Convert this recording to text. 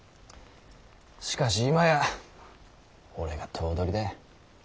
しかし今や俺が頭取だ。